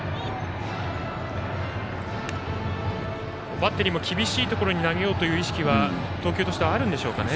バッテリーも厳しいところに投げようという意識は投球としてはあるんでしょうかね。